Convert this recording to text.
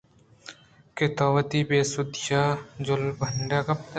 کہ تو وتی بے سُدّی ءَ جُھلُونڈاں کپتگ ئِے